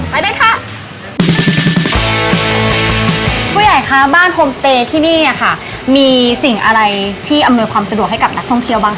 ไปเลยค่ะผู้ใหญ่คะบ้านโฮมสเตย์ที่นี่อ่ะค่ะมีสิ่งอะไรที่อำนวยความสะดวกให้กับนักท่องเที่ยวบ้างคะ